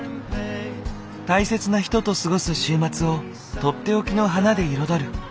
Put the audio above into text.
大切な人と過ごす週末を取って置きの花で彩る。